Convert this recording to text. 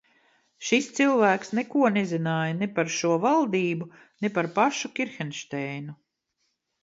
Šis cilvēks neko nezināja ne par šo valdību, ne par pašu Kirhenšteinu.